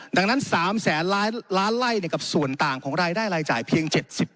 ดังนั้น๓แสนล้านไล่กับส่วนต่างของรายได้รายจ่ายเพียง๗๐